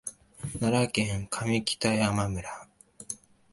奈良県上北山村